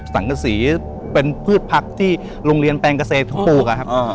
ต่างกะสีเป็นพืชพักที่โรงเรียนแปลงเกษตร์ครับ